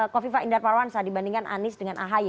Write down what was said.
kofifa indar parawansa dibandingkan anies dengan ahy